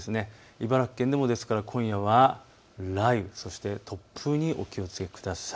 茨城県でも今夜は雷雨、そして突風にお気をつけください。